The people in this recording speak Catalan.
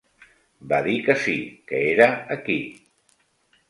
Va dir que sí, que era aquí.